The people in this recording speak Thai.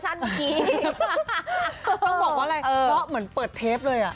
แหละต้องบอกว่าอะไรเหมือนเปิดเทปเลยอะ